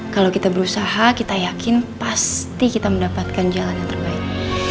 kalau kita berusaha kita yakin pasti kita mendapatkan jalan yang terbaik